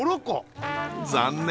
残念。